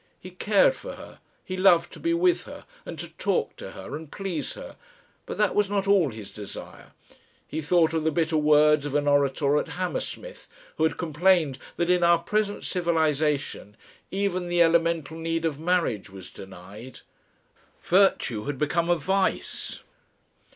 He cared for her, he loved to be with her and to talk to her and please her, but that was not all his desire. He thought of the bitter words of an orator at Hammersmith, who had complained that in our present civilisation even the elemental need of marriage was denied. Virtue had become a vice.